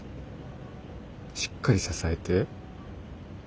しっかり支えて。